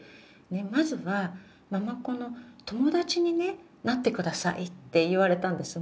「まずは継子の友達にねなってください」って言われたんです。